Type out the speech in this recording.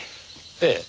ええ。